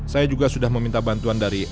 saya juga sudah meminta bantuan dari